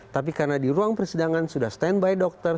tapi karena di ruang persidangan sudah stand by dokter